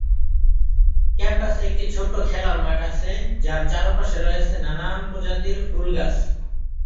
ক্যাম্পাসে একটি ছোট্ট খেলার মাঠ আছে যার চারপাশে রয়েছে নানান প্রজাতির ফুল গাছ।